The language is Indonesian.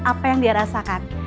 apa yang dirasakan